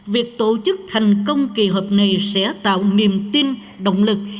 việc tổ chức thành công kỳ họp này sẽ tạo niềm tin động lực